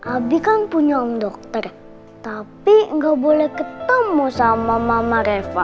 abdi kan punya om dokter tapi nggak boleh ketemu sama mama reva